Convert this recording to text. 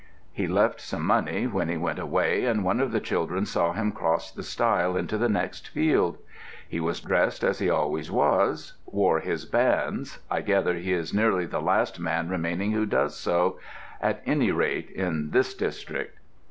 He left some money when he went away, and one of the children saw him cross the stile into the next field. He was dressed as he always was: wore his bands I gather he is nearly the last man remaining who does so at any rate in this district.